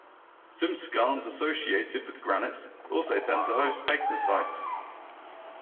Some skarns associated with granites also tend to host pegmatites.